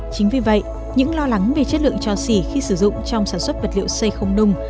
chính vì vậy những lo lắng về chất lượng cho xỉ khi sử dụng trong sản xuất vật liệu xây không nung